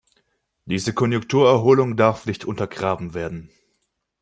Diese Konjunkturerholung darf nicht untergraben werden.